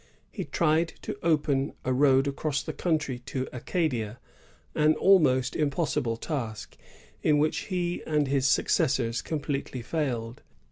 He tried to open a road across the country to Acadia, — an almost impossible task, in which he and his successors completely failed.